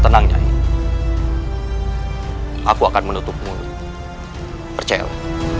tenang nyai aku akan menutup mulutmu percaya aku